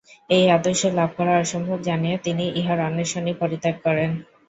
এই আদর্শ লাভ করা অসম্ভব জানিয়া তিনি ইহার অন্বেষণই পরিত্যাগ করেন।